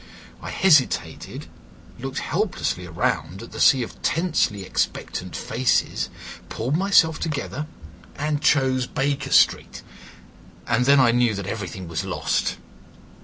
I hesitated, looked helplessly round at the sea of tensely expectant faces, pulled myself together, and chose Baker Street. And then I knew that everything was lost.